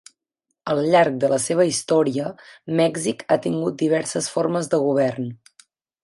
Al llarg de la seva història, Mèxic ha tingut diverses formes de govern.